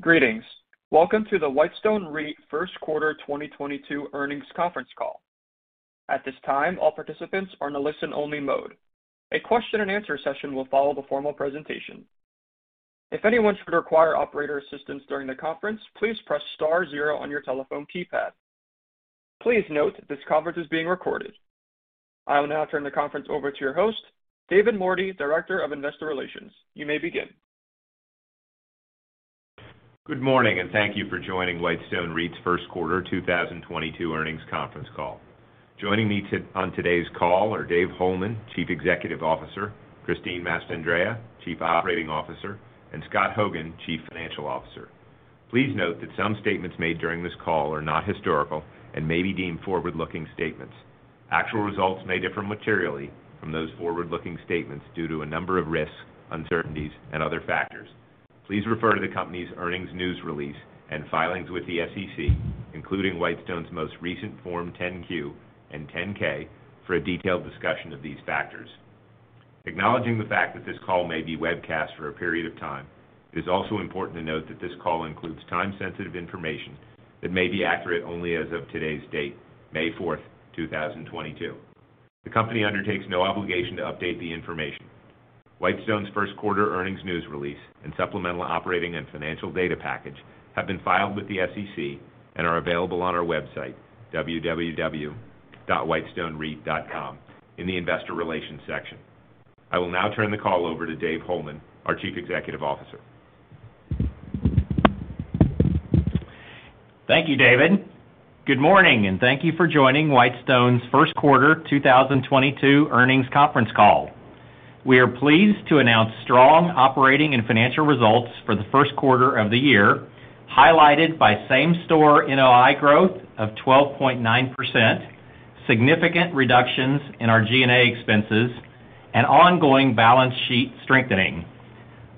Greetings. Welcome to the Whitestone REIT First Quarter 2022 Earnings Conference Call. At this time, all participants are in a listen-only mode. A question-and-answer session will follow the formal presentation. If anyone should require operator assistance during the conference, please press star zero on your telephone keypad. Please note that this conference is being recorded. I will now turn the conference over to your host, David Mordy, Director of Investor Relations. You may begin. Good morning, and thank you for joining Whitestone REIT's First Quarter 2022 Earnings conference call. Joining me on today's call are Dave Holeman, Chief Executive Officer, Christine Mastandrea, Chief Operating Officer, and Scott Hogan, Chief Financial Officer. Please note that some statements made during this call are not historical and may be deemed forward-looking statements. Actual results may differ materially from those forward-looking statements due to a number of risks, uncertainties, and other factors. Please refer to the company's earnings news release and filings with the SEC, including Whitestone's most recent Form 10-Q and Form 10-K for a detailed discussion of these factors. Acknowledging the fact that this call may be webcast for a period of time, it is also important to note that this call includes time-sensitive information that may be accurate only as of today's date, May 4, 2022. The company undertakes no obligation to update the information. Whitestone's first quarter earnings news release and supplemental operating and financial data package have been filed with the SEC and are available on our website, www.whitestonereit.com in the Investor Relations section. I will now turn the call over to Dave Holeman, our Chief Executive Officer. Thank you, David. Good morning, and thank you for joining Whitestone's first quarter 2022 earnings conference call. We are pleased to announce strong operating and financial results for the first quarter of the year, highlighted by same-store NOI growth of 12.9%, significant reductions in our G&A expenses, and ongoing balance sheet strengthening.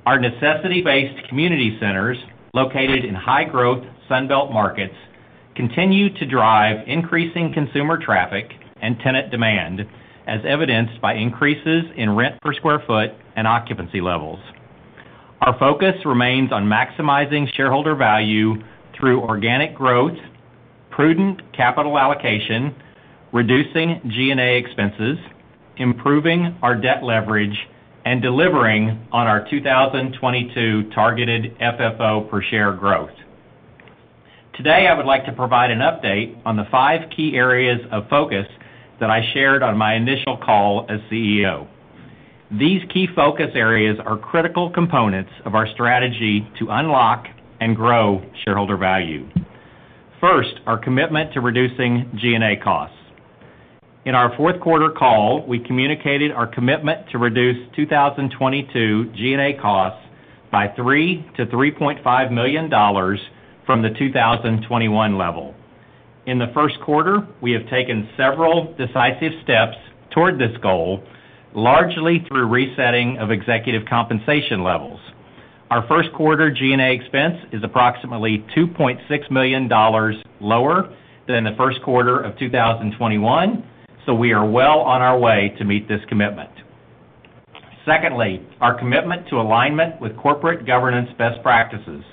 Our necessity-based community centers located in high-growth Sun Belt markets continue to drive increasing consumer traffic and tenant demand, as evidenced by increases in rent per square foot and occupancy levels. Our focus remains on maximizing shareholder value through organic growth, prudent capital allocation, reducing G&A expenses, improving our debt leverage, and delivering on our 2022 targeted FFO per share growth. Today, I would like to provide an update on the 5 key areas of focus that I shared on my initial call as CEO. These key focus areas are critical components of our strategy to unlock and grow shareholder value. First, our commitment to reducing G&A costs. In our fourth quarter call, we communicated our commitment to reduce 2022 G&A costs by $3-$3.5 million from the 2021 level. In the first quarter, we have taken several decisive steps toward this goal, largely through resetting of executive compensation levels. Our first quarter G&A expense is approximately $2.6 million lower than the first quarter of 2021, so we are well on our way to meet this commitment. Secondly, our commitment to alignment with corporate governance best practices.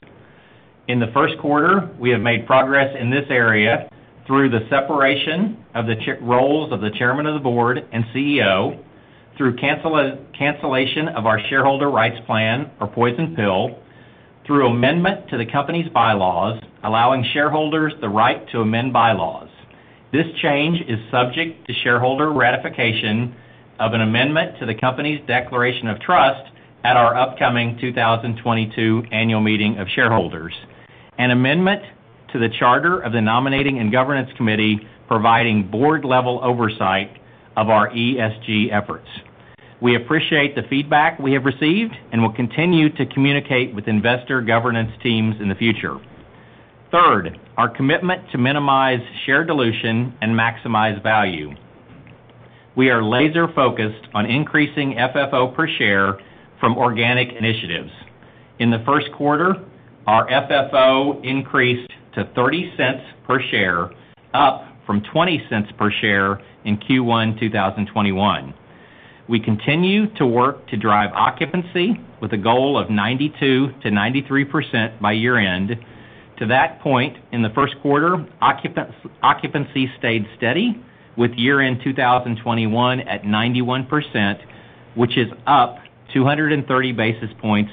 In the first quarter, we have made progress in this area through the separation of the roles of the chairman of the board and CEO through cancellation of our shareholder rights plan or poison pill, through amendment to the company's bylaws, allowing shareholders the right to amend bylaws. This change is subject to shareholder ratification of an amendment to the company's declaration of trust at our upcoming 2022 annual meeting of shareholders. An amendment to the charter of the Nominating and Governance Committee, providing board-level oversight of our ESG efforts. We appreciate the feedback we have received and will continue to communicate with investor governance teams in the future. Third, our commitment to minimize share dilution and maximize value. We are laser-focused on increasing FFO per share from organic initiatives. In the first quarter, our FFO increased to $0.30 per share, up from $0.20 per share in Q1 2021. We continue to work to drive occupancy with a goal of 92%-93% by year-end. To that point, in the first quarter, occupancy stayed steady with year-end 2021 at 91%, which is up 230 basis points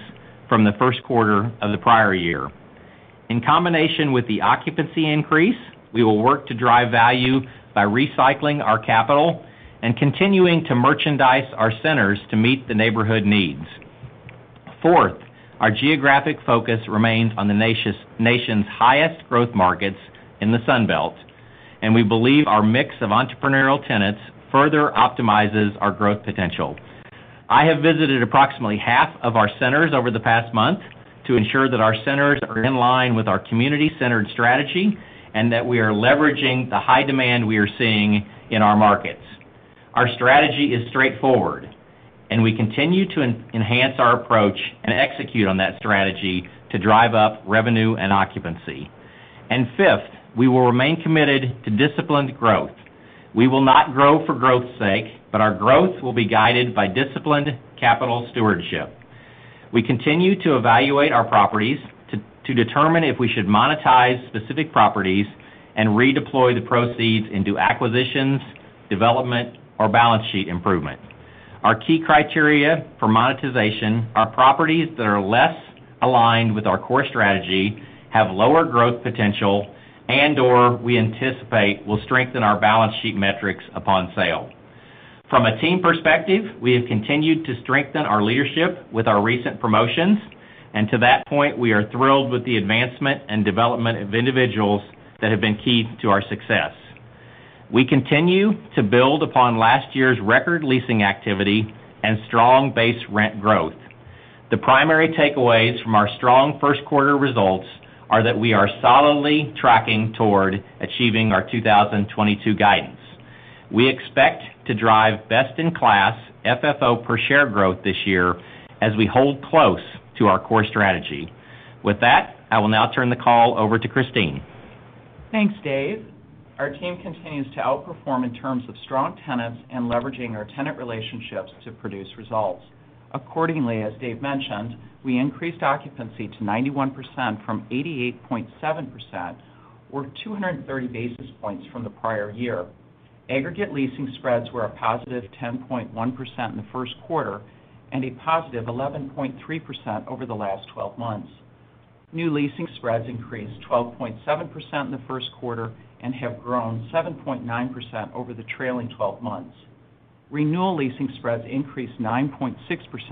from the first quarter of the prior year. In combination with the occupancy increase, we will work to drive value by recycling our capital and continuing to merchandise our centers to meet the neighborhood needs. Fourth, our geographic focus remains on the nation's highest growth markets in the Sun Belt, and we believe our mix of entrepreneurial tenants further optimizes our growth potential. I have visited approximately half of our centers over the past month to ensure that our centers are in line with our community-centered strategy and that we are leveraging the high demand we are seeing in our markets. Our strategy is straightforward, and we continue to enhance our approach and execute on that strategy to drive up revenue and occupancy. Fifth, we will remain committed to disciplined growth. We will not grow for growth's sake, but our growth will be guided by disciplined capital stewardship. We continue to evaluate our properties to determine if we should monetize specific properties and redeploy the proceeds into acquisitions, development, or balance sheet improvement. Our key criteria for monetization are properties that are less aligned with our core strategy, have lower growth potential, and/or we anticipate will strengthen our balance sheet metrics upon sale. From a team perspective, we have continued to strengthen our leadership with our recent promotions, and to that point, we are thrilled with the advancement and development of individuals that have been key to our success. We continue to build upon last year's record leasing activity and strong base rent growth. The primary takeaways from our strong first quarter results are that we are solidly tracking toward achieving our 2022 guidance. We expect to drive best-in-class FFO per share growth this year as we hold close to our core strategy. With that, I will now turn the call over to Christine. Thanks, Dave. Our team continues to outperform in terms of strong tenants and leveraging our tenant relationships to produce results. Accordingly, as Dave mentioned, we increased occupancy to 91% from 88.7%, or 230 basis points from the prior year. Aggregate leasing spreads were a positive 10.1% in the first quarter and a positive 11.3% over the last twelve months. New leasing spreads increased 12.7% in the first quarter and have grown 7.9% over the trailing twelve months. Renewal leasing spreads increased 9.6%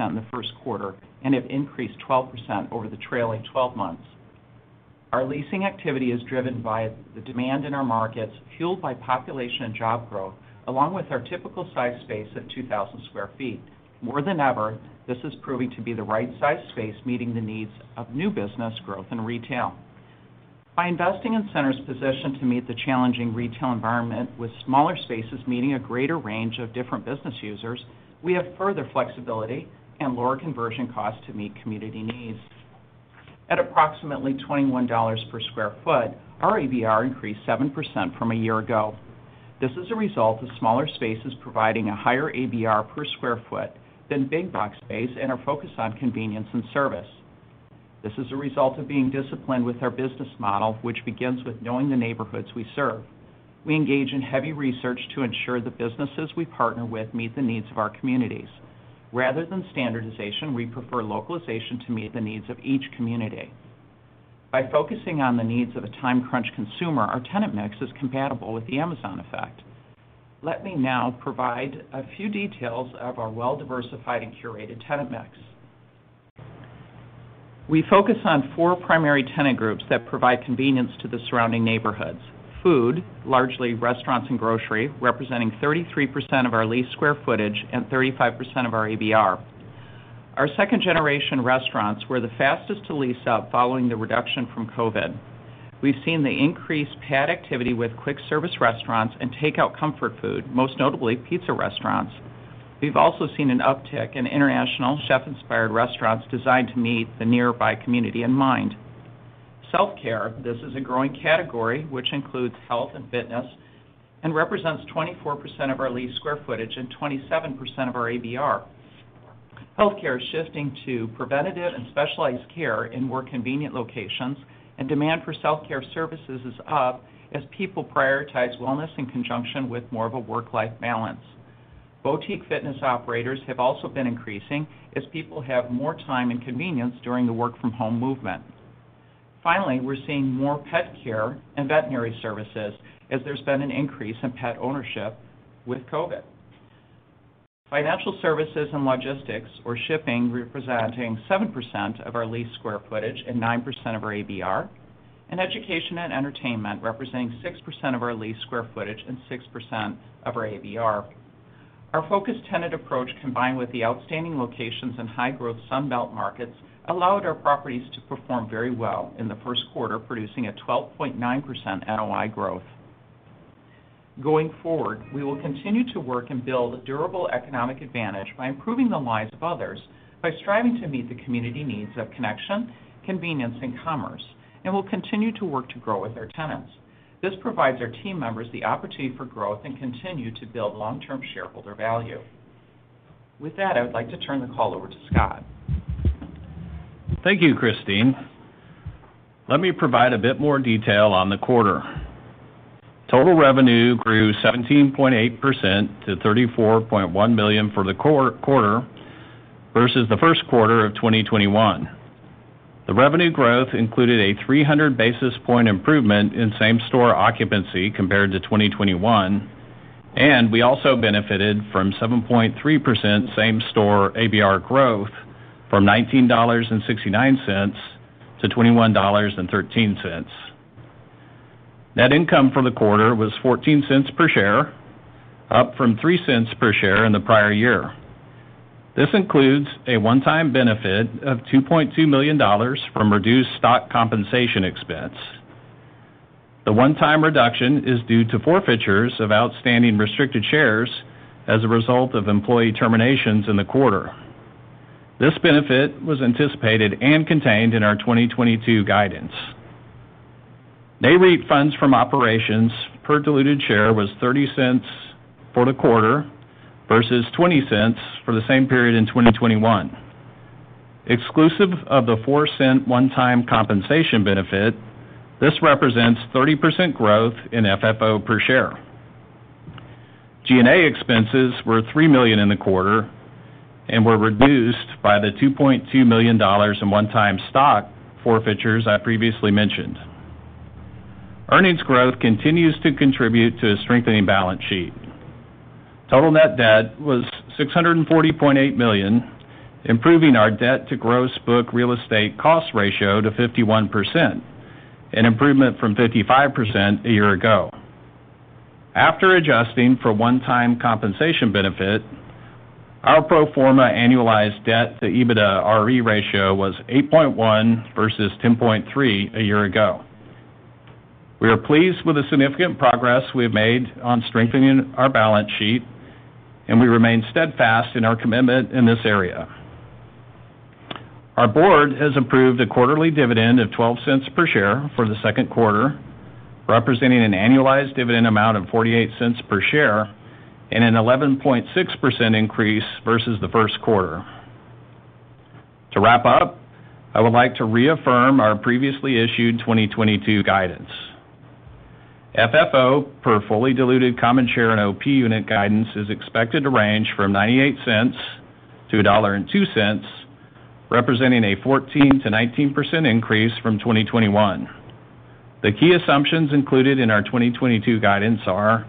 in the first quarter and have increased 12% over the trailing twelve months. Our leasing activity is driven by the demand in our markets, fueled by population and job growth, along with our typical size space of 2,000 sq ft. More than ever, this is proving to be the right size space meeting the needs of new business growth in retail. By investing in centers positioned to meet the challenging retail environment with smaller spaces meeting a greater range of different business users, we have further flexibility and lower conversion costs to meet community needs. At approximately $21 per sq ft, our ABR increased 7% from a year ago. This is a result of smaller spaces providing a higher ABR per sq ft than big box space and are focused on convenience and service. This is a result of being disciplined with our business model, which begins with knowing the neighborhoods we serve. We engage in heavy research to ensure the businesses we partner with meet the needs of our communities. Rather than standardization, we prefer localization to meet the needs of each community. By focusing on the needs of a time-crunched consumer, our tenant mix is compatible with the Amazon effect. Let me now provide a few details of our well-diversified and curated tenant mix. We focus on four primary tenant groups that provide convenience to the surrounding neighborhoods. Food, largely restaurants and grocery, representing 33% of our leased square footage and 35% of our ABR. Our second-generation restaurants were the fastest to lease out following the reduction from COVID. We've seen the increased pad activity with quick service restaurants and takeout comfort food, most notably pizza restaurants. We've also seen an uptick in international chef-inspired restaurants designed to meet the nearby community in mind. Self-care, this is a growing category which includes health and fitness and represents 24% of our leased square footage and 27% of our ABR. Healthcare is shifting to preventative and specialized care in more convenient locations, and demand for self-care services is up as people prioritize wellness in conjunction with more of a work-life balance. Boutique fitness operators have also been increasing as people have more time and convenience during the work-from-home movement. Finally, we're seeing more pet care and veterinary services as there's been an increase in pet ownership with COVID. Financial services and logistics or shipping representing 7% of our leased square footage and 9% of our ABR, and education and entertainment representing 6% of our leased square footage and 6% of our ABR. Our focused tenant approach, combined with the outstanding locations in high-growth Sun Belt markets, allowed our properties to perform very well in the first quarter, producing a 12.9% NOI growth. Going forward, we will continue to work and build durable economic advantage by improving the lives of others by striving to meet the community needs of connection, convenience, and commerce, and we'll continue to work to grow with our tenants. This provides our team members the opportunity for growth and continue to build long-term shareholder value. With that, I would like to turn the call over to Scott. Thank you, Christine. Let me provide a bit more detail on the quarter. Total revenue grew 17.8% to $34.1 million for the quarter versus the first quarter of 2021. The revenue growth included a 300 basis point improvement in same-store occupancy compared to 2021, and we also benefited from 7.3% same-store ABR growth from $19.69 to $21.13. Net income for the quarter was $0.14 per share, up from $0.03 per share in the prior year. This includes a one-time benefit of $2.2 million from reduced stock compensation expense. The one-time reduction is due to forfeitures of outstanding restricted shares as a result of employee terminations in the quarter. This benefit was anticipated and contained in our 2022 guidance. Nareit funds from operations per diluted share was $0.30 for the quarter versus $0.20 for the same period in 2021. Exclusive of the $0.04 one-time compensation benefit, this represents 30% growth in FFO per share. G&A expenses were $3 million in the quarter and were reduced by the $2.2 million in one-time stock forfeitures I previously mentioned. Earnings growth continues to contribute to a strengthening balance sheet. Total net debt was $640.8 million, improving our debt to gross book real estate cost ratio to 51%, an improvement from 55% a year ago. After adjusting for one-time compensation benefit, our pro forma annualized debt to EBITDAre ratio was 8.1 versus 10.3 a year ago. We are pleased with the significant progress we have made on strengthening our balance sheet, and we remain steadfast in our commitment in this area. Our board has approved a quarterly dividend of $0.12 per share for the second quarter, representing an annualized dividend amount of $0.48 per share and an 11.6% increase versus the first quarter. To wrap up, I would like to reaffirm our previously issued 2022 guidance. FFO per fully diluted common share and OP Unit guidance is expected to range from $0.98 to $1.02, representing a 14%-19% increase from 2021. The key assumptions included in our 2022 guidance are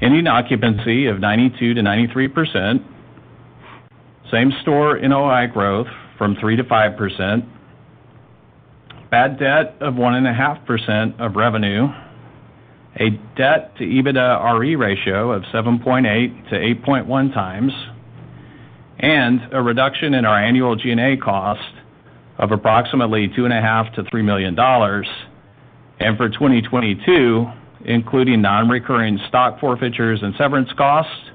ending occupancy of 92%-93%, same store NOI growth from 3%-5%, bad debt of 1.5% of revenue, a debt-to-EBITDAre ratio of 7.8-8.1 times, and a reduction in our annual G&A cost of approximately $2.5-$3 million. For 2022, including non-recurring stock forfeitures and severance costs,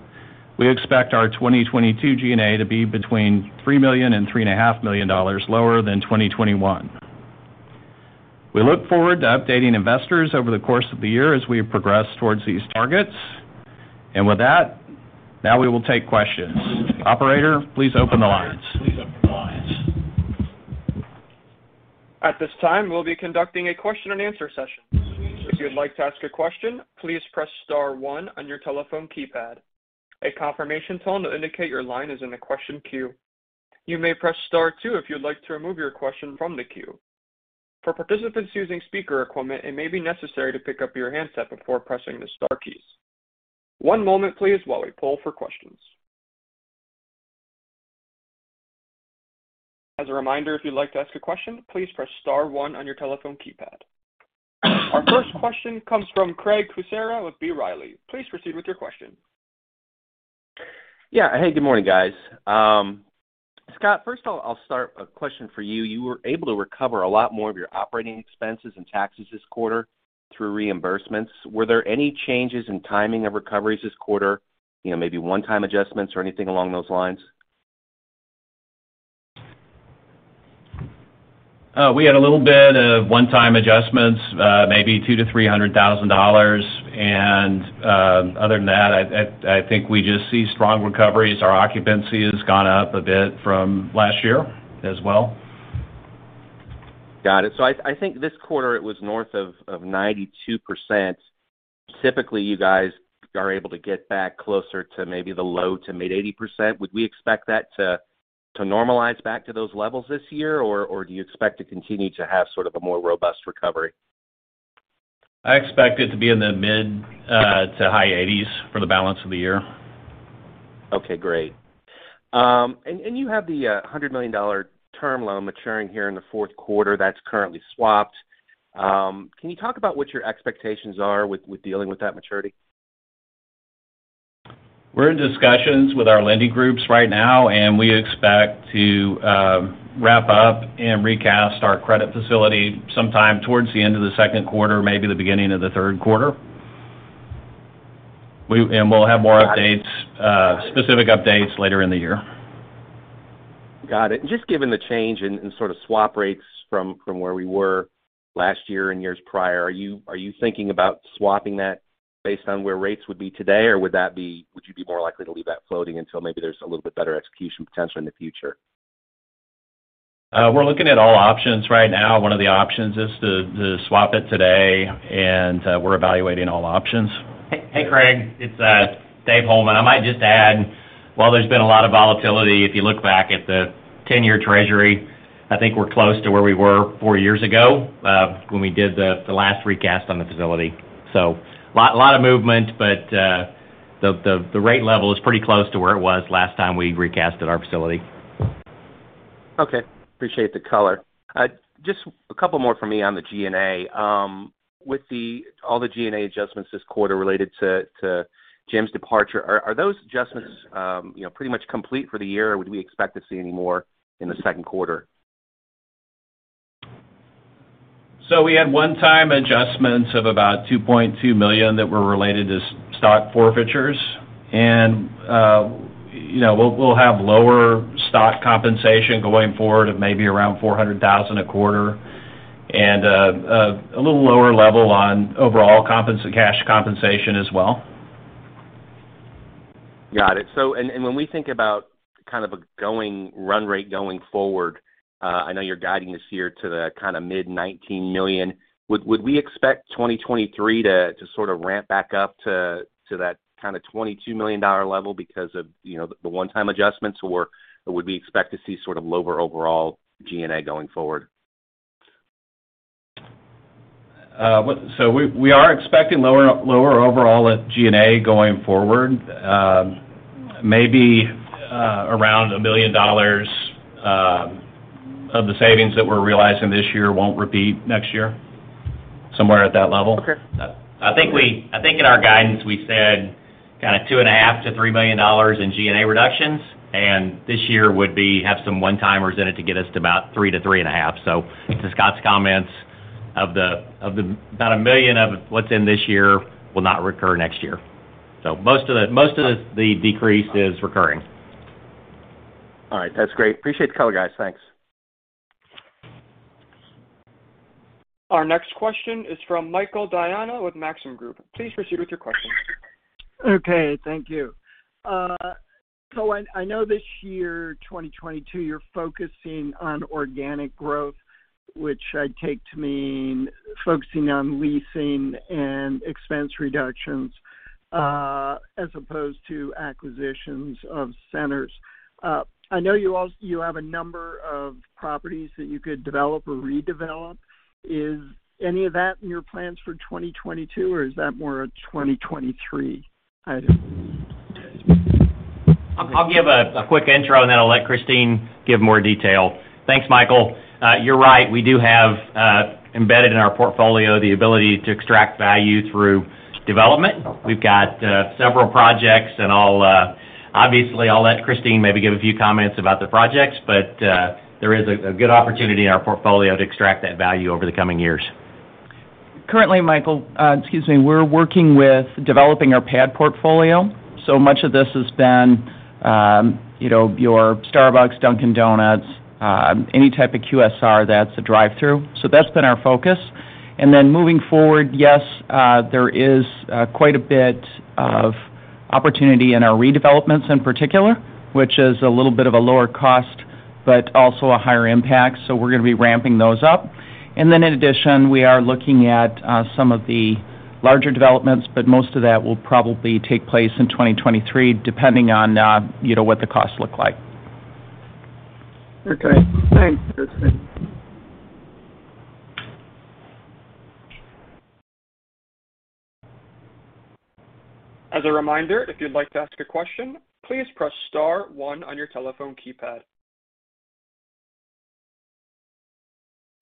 we expect our 2022 G&A to be between $3-$3.5 million lower than 2021. We look forward to updating investors over the course of the year as we progress towards these targets. With that, now we will take questions. Operator, please open the lines. At this time, we'll be conducting a question and answer session. If you'd like to ask a question, please press star one on your telephone keypad. A confirmation tone to indicate your line is in the question queue. You may press star two if you'd like to remove your question from the queue. For participants using speaker equipment, it may be necessary to pick up your handset before pressing the star keys. One moment please while we poll for questions. As a reminder, if you'd like to ask a question, please press star one on your telephone keypad. Our first question comes from Craig Kucera with B. Riley. Please proceed with your question. Yeah. Good morning, guys. Scott, first I'll ask a question for you. You were able to recover a lot more of your operating expenses and taxes this quarter through reimbursements. Were there any changes in timing of recoveries this quarter one-time adjustments or anything along those lines? We had a little bit of one-time adjustments, $200,000-$300,000. Other than that, I think we just see strong recoveries. Our occupancy has gone up a bit from last year as well. Got it. I think this quarter it was north of 92%. Typically, you guys are able to get back closer to the low to mid 80%. Would we expect that to normalize back to those levels this year, or do you expect to continue to have a more robust recovery? I expect it to be in the mid- to high 80s for the balance of the year. Okay, great. You have the $100 million term loan maturing here in the fourth quarter that's currently swapped. Can you talk about what your expectations are with dealing with that maturity? We're in discussions with our lending groups right now, and we expect to wrap up and recast our credit facility sometime towards the end of the second quarter in the beginning of the third quarter. We'll have more updates, specific updates later in the year. Got it. Just given the change in swap rates from where we were last year and years prior, are you thinking about swapping that based on where rates would be today? Or would you be more likely to leave that floating until there's a little bit better execution potential in the future? We're looking at all options right now. One of the options is to swap it today, and we're evaluating all options. Craig, it's Dave Holeman. I might just add, while there's been a lot of volatility, if you look back at the 10-year Treasury, I think we're close to where we were 4 years ago, when we did the last recast on the facility. Lot of movement, but the rate level is pretty close to where it was last time we recast our facility. Okay. Appreciate the color. Just a couple more for me on the G&A. With all the G&A adjustments this quarter related to Jim's departure, are those adjustments pretty much complete for the year? Or would we expect to see any more in the second quarter? We had one-time adjustments of about $2.2 million that were related to stock forfeitures. We'll have lower stock compensation going forward of around $400,000 a quarter and a little lower level on overall cash compensation as well. Got it. When we think about a going run rate going forward, I know you're guiding us here to the mid-$19 million. Would we expect 2023 to ramp back up to $22 million level because of the one-time adjustments, or would we expect to see lower overall G&A going forward? We are expecting lower overall G&A going forward. Around $1 million of the savings that we're realizing this year won't repeat next year, somewhere at that level. Okay. I think in our guidance we said $2.5 million-$3 million in G&A reductions, and this year would have some one-timers in it to get us to about $3 million-$3.5 million. To Scott's comments, of the about $1 million of what's in this year will not recur next year. Most of the decrease is recurring. All right. That's great. Appreciate the color, guys. Thanks. Our next question is from Michael Diana with Maxim Group. Please proceed with your question. Okay, thank you. I know this year, 2022, you're focusing on organic growth, which I take to mean focusing on leasing and expense reductions, as opposed to acquisitions of centers. I know you have a number of properties that you could develop or redevelop. Is any of that in your plans for 2022, or is that more a 2023 item? I'll give a quick intro, and then I'll let Christine give more detail. Thanks, Michael. You're right. We do have embedded in our portfolio the ability to extract value through development. We've got several projects and I'll obviously let Christine give a few comments about the projects, but there is a good opportunity in our portfolio to extract that value over the coming years. Currently, Michael, excuse me, we're working with developing our pad portfolio. Much of this has been your Starbucks, Dunkin', any type of QSR that's a drive-through. That's been our focus. Moving forward, yes, there is quite a bit of opportunity in our redevelopments in particular, which is a little bit of a lower cost, but also a higher impact. We're gonna be ramping those up. In addition, we are looking at some of the larger developments, but most of that will probably take place in 2023, depending on what the costs look like. Okay. Thanks. That's it. As a reminder, if you'd like to ask a question, please press star one on your telephone keypad.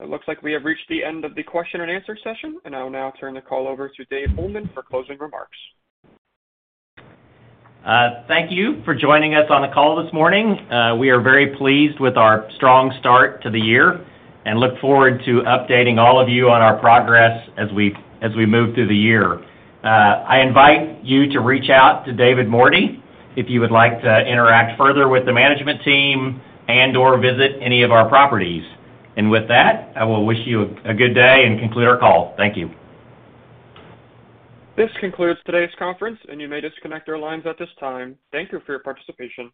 It looks like we have reached the end of the question and answer session, and I will now turn the call over to Dave Holeman for closing remarks. Thank you for joining us on the call this morning. We are very pleased with our strong start to the year and look forward to updating all of you on our progress as we move through the year. I invite you to reach out to David Mordy if you would like to interact further with the management team and/or visit any of our properties. With that, I will wish you a good day and conclude our call. Thank you. This concludes today's conference, and you may disconnect your lines at this time. Thank you for your participation.